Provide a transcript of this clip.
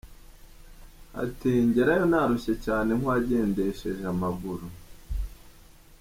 Ati “Ngerayo narushye cyane nk’uwagendehseje amaguru.